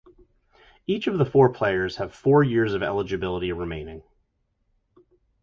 Each of the four players have four years of eligibility remaining.